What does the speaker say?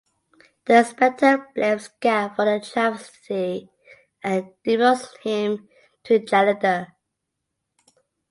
The Inspector blames Gaff for the travesty and demotes him to janitor.